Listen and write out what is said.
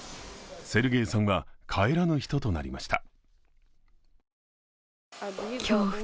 セルゲイさんは帰らぬ人となりました。